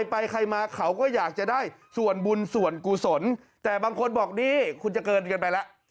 ไปใครมาเขาก็อยากจะได้ส่วนบุญส่วนกุศลแต่บางคนบอกนี่คุณจะเกินกันไปแล้ว